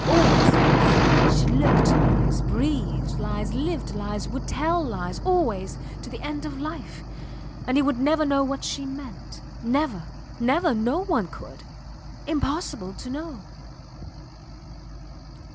Always false. She looked lies, breathed lies, lived lies would tell lies always to the end of life! And he would never know what she meant. Never! Never! No one could. Impossible to know.